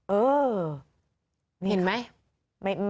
เออเห็นไหม